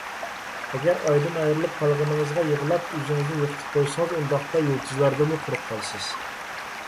ئەگەر ئايدىن ئايرىلىپ قالغىنىڭىزغا يىغلاپ، ئۆزىڭىزنى يوقىتىپ قويسىڭىز، ئۇنداقتا يۇلتۇزلاردىنمۇ قۇرۇق قالىسىز.